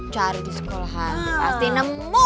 cari di sekolahan pasti nemu